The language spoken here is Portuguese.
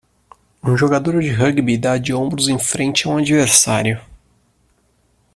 Um jogador de rugby dá de ombros em frente a um adversário.